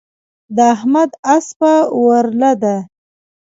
د احمد اسپه ورله ده.